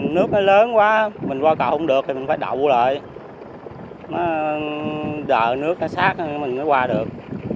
nó đợt nước nó sát mình mới qua được